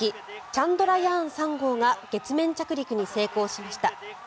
チャンドラヤーン３号が月面着陸に成功しました。